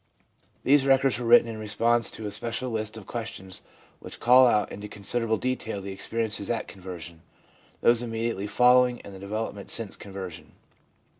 The records were written in response to a special list of questions which call out in considerable detail the experiences at conversion, those immediately following, and the development since conversion.